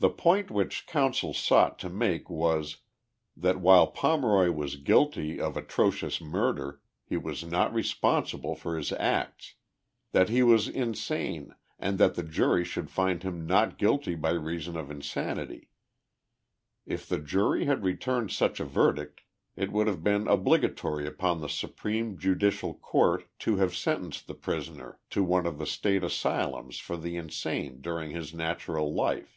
The point which counsel sought to make was : that while Pomeroy was guilty of atrocious murder lie was not responsible for his acts. That he was insane and that the jury should find him not guilty by reason of insanity. If the jury had returned such a verdict it would have been obligatory upon the supreme judicial court to have sentenced the prisoner to one of the State asylums for the insane during his natural life.